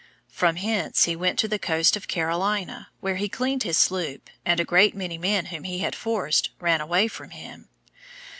From hence he went to the coast of Carolina, where he cleaned his sloop, and a great many men whom he had forced, ran away from him.